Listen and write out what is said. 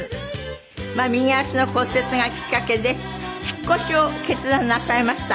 右足の骨折がきっかけで引っ越しを決断なさいました。